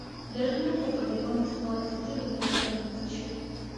د رحمان بابا دیوان د فال کتلو لپاره وټاکل شو.